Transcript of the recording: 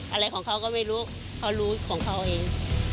อะไรของเขาก็ไม่รู้เขารู้ของเขาเอง